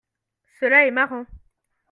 Cela est marrant.